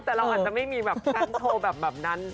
แต่เราอาจจะไม่มีแบบชั้นโชว์แบบนั้น